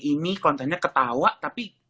dan ini kontennya ketawa tapi